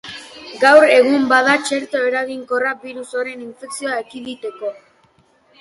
Gaur egun bada txerto eraginkorra birus horren infekzioa ekiditeko.